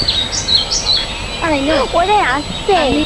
জানো, ঐখানে না অনেক বাচ্চা ছিল।